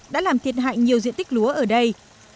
đã làm thiệt hại nhiều diện tích lúa ở đây